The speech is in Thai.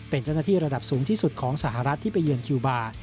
เป็นเจ้าหน้าที่ระดับสูงที่สุดของสหรัฐที่ไปเยือนคิวบาร์